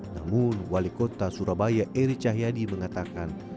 namun wali kota surabaya eri cahyadi mengatakan